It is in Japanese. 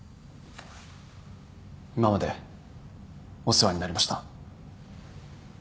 今までお世話になりました。